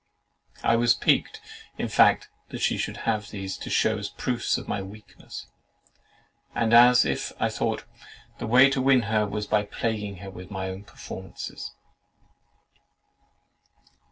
I was piqued, in fact, that she should have these to shew as proofs of my weakness, and as if I thought the way to win her was by plaguing her with my own performances.